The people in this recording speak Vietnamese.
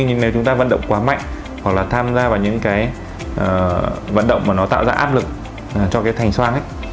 nhưng nếu chúng ta vận động quá mạnh hoặc là tham gia vào những cái vận động mà nó tạo ra áp lực cho cái thành xoan